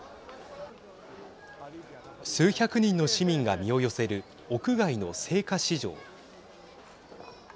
数百人の市民が身を寄せる屋外の青果市場。